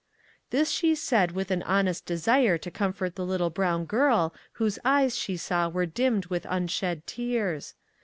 This she said with an honest desire to com fort the little brown girl whose eyes she saw were dimmed with unshed tears.